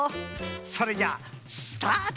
それじゃスタート！